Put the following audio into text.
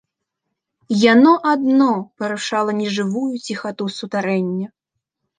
Яно адно парушала нежывую ціхату сутарэння.